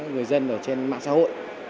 người dân ở trên mạng xã hội